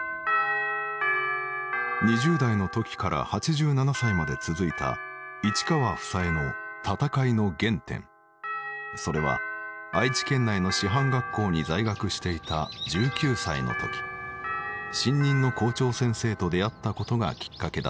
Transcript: ２０代の時から８７歳まで続いた市川房枝の闘いの原点それは愛知県内の師範学校に在学していた１９歳の時新任の校長先生と出会ったことがきっかけだった。